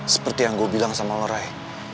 seperti yang saya bilang sama kamu rai